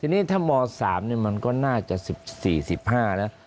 ทีนี้ถ้าม๓มันก็น่าจะ๑๔๑๕แล้ว